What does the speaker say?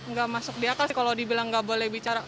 enggak masuk di akal kalau dibilang enggak boleh bicara